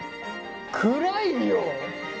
暗いよ！